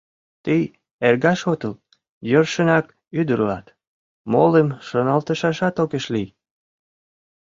Тый эргаш отыл, йӧршынак ӱдыр улат, молым шоналтышашат огеш лий!